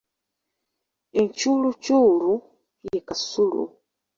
Encuuluculu ye Kasulu.